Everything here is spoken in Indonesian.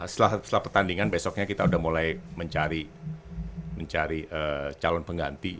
setelah pertandingan besoknya kita sudah mulai mencari calon pengganti